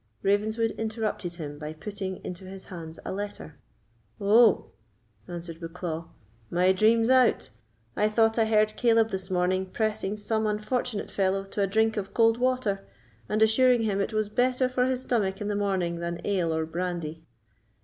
Ravenswood interrupted him by putting into his hands a letter. "Oh," answered Bucklaw, "my dream's out. I thought I heard Caleb this morning pressing some unfortunate fellow to a drink of cold water, and assuring him it was better for his stomach in the morning than ale or brandy."